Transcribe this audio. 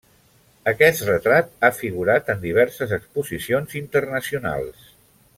Aquest retrat ha figurat en diverses exposicions internacionals.